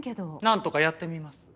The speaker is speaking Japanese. なんとかやってみます。